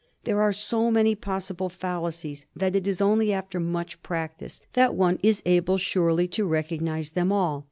There are so many pos sible fallacies that it is only after much practice that one is able surely to recognise them all.